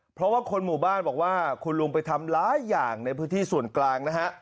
เพราะว่าคนหมู่บ้านบอกว่าคุณลุงไปทำหลายอย่างในพื้นที่ส่วนกลางนะฮะ